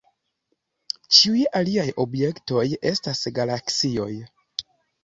Ĉiuj aliaj objektoj, estas galaksioj.